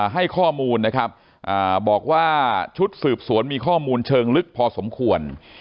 ให้ข้อมูลนะครับบอกว่าชุดสืบสวนมีข้อมูลเชิงลึกพอสมควร